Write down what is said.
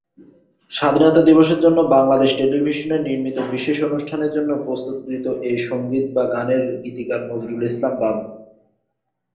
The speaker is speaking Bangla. স্বাধীনতা দিবসের জন্য বাংলাদেশ টেলিভিশনের নির্মিত বিশেষ অনুষ্ঠানের জন্য প্রস্তুতকৃত এই সঙ্গীত বা গানের গীতিকার নজরুল ইসলাম বাবু।